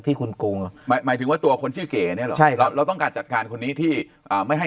ที่คุณกรุงหมายถึงว่าตัวคนชื่อเก๋เนี่ยเราต้องการจัดการคนนี้ที่ไม่ให้